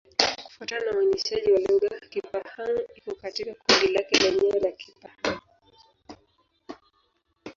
Kufuatana na uainishaji wa lugha, Kipa-Hng iko katika kundi lake lenyewe la Kipa-Hng.